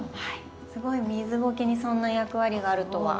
すごい水ごけにそんな役割があるとは。